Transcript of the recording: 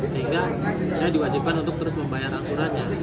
sehingga dia diwajibkan untuk terus membayar akurannya